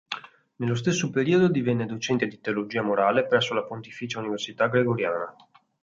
Nello stesso periodo divenne docente di teologia morale presso la Pontificia Università Gregoriana.